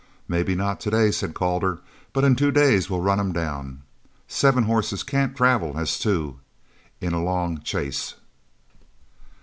"Maybe not today," said Calder, "but in two days we'll run him down. Seven horses can't travel as two in a long chase."